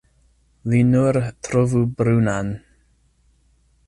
Li nur trovu brunan.